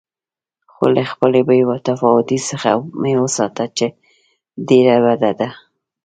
خو له خپلې بې تفاوتۍ څخه مې وساته چې ډېره بده ده.